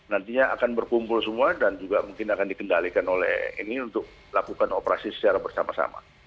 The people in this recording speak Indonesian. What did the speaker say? nantinya akan berkumpul semua dan juga mungkin akan dikendalikan oleh ini untuk lakukan operasi secara bersama sama